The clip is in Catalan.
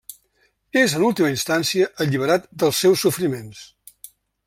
És en última instància, alliberat dels seus sofriments.